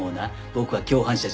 僕は共犯者じゃない。